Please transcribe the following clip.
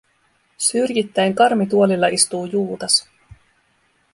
Syrjittäin karmituolilla istuu Juutas.